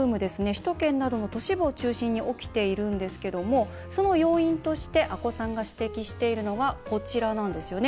首都圏などの都市部を中心に起きているんですけどもその要因として阿古さんが指摘しているのがこちらなんですよね。